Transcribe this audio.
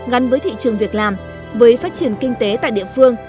gắn với thị trường việc làm với phát triển kinh tế tại địa phương